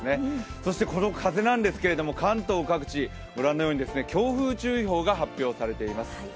そしてこの風なんですけれども、関東各地ご覧のように強風注意報が発表されています。